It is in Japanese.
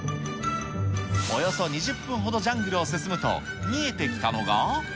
およそ２０分ほどジャングルを進むと、見えてきたのが。